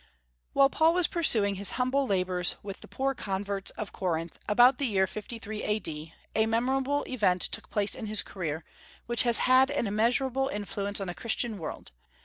While Paul was pursuing his humble labors with the poor converts of Corinth, about the year 53 A.D., a memorable event took place in his career, which has had an immeasurable influence on the Christian world.